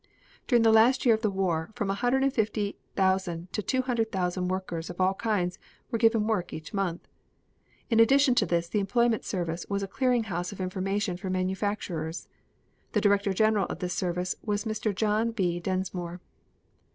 During the last year of the war from a hundred and fifty thousand to two hundred thousand workers of all kinds were given work each month. In addition to this the Employment Service was a clearing house of information for manufacturers. The Director General of this service was Mr. John B. Densmore.